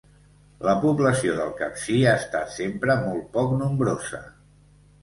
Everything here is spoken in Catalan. La població del Capcir ha estat sempre molt poc nombrosa.